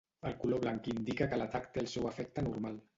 El color blanc indica que l'atac té el seu efecte normal.